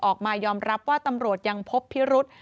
ออกมายอมรับว่าตำรวจยังพบพิรุษ